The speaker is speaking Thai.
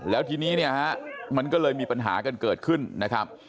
แล้วทีนี้เนี่ยฮะมันก็เลยมีปัญหากันเกิดขึ้นนะครับ